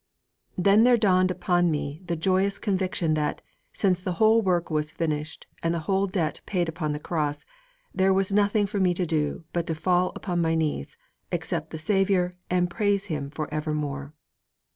_' '_Then there dawned upon me the joyous conviction that, since the whole work was finished and the whole debt paid upon the Cross, there was nothing for me to do but to fall upon my knees, accept the Saviour and praise Him for evermore!